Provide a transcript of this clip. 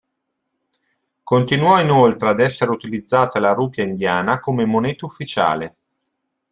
Continuò inoltre ad essere utilizzata la rupia indiana come moneta ufficiale.